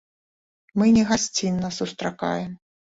Мы не гасцінна сустракаем.